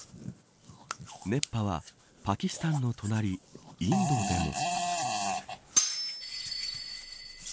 熱波はパキスタンの隣インドでも。